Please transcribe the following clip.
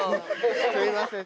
すみません。